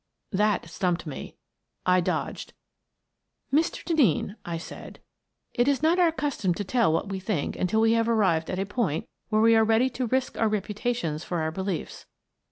That stumped me. I dodged. " Mr. Denneen," I said, " it is not our custom to tell what we think until we have arrived at a point where we are ready to risk our reputations for our beliefs.